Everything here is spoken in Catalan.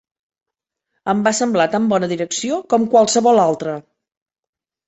Em va semblar tan bona direcció com qualsevol altra.